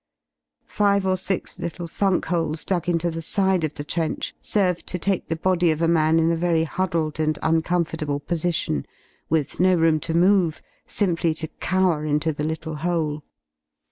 Tive or six little funk holes dug into the side of the trench served to take the body of a man in a very huddled and uncomfortable position, with no room to move, simply to cower into the little hole.